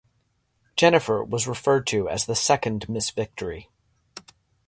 Jennifer was referred to as the second Miss Victory.